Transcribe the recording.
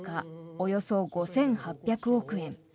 およそ５８００億円。